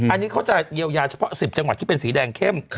อันนี้เขาจะเยียวยาเฉพาะ๑๐จังหวัดที่เป็นสีแดงเข้ม